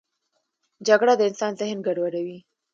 جګړه د انسان ذهن ګډوډوي